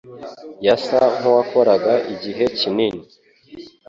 Yasa nkuwakoraga igihe kinini.